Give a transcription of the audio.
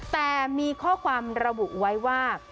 แต่มีข้อความระบุไว้ว่า